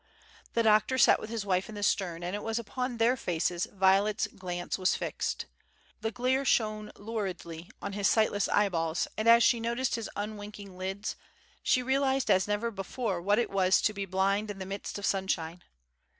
The doctor sat with his wife in the stern and it was upon their faces Violet's glance was fixed. The glare shone luridly on his sightless eyeballs, and as she noticed his unwinking lids, she realized as never before what it was to be blind in the midst of sunshine.